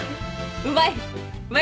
うまい。